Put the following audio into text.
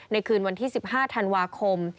คืนวันที่๑๕ธันวาคม